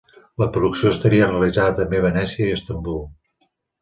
La producció estaria realitzada, també, a Venècia i Istanbul.